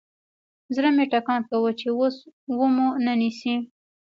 زړه مې ټکان کاوه چې اوس ومو نه نيسي.